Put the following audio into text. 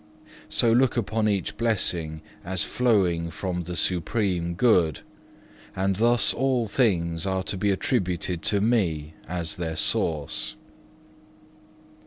So look upon each blessing as flowing from the Supreme Good, and thus all things are to be attributed to Me as their source.